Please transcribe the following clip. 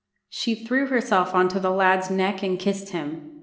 She threw herself on the lad's neck and kissed him.